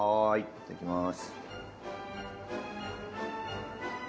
いただきます。